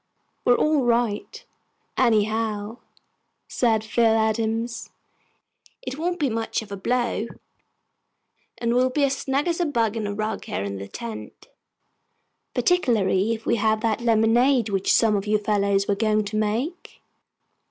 "We're all right, anyhow," said Phil Adams. "It won't be much of a blow, and we'll be as snug as a bug in a rug, here in the tent, particularly if we have that lemonade which some of you fellows were going to make."